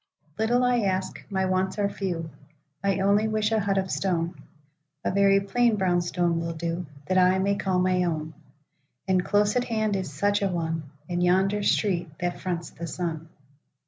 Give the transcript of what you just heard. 'LITTLE I ask; my wants are few;I only wish a hut of stone(A very plain brown stone will do)That I may call my own;—And close at hand is such a one, In yonder street that fronts the sun.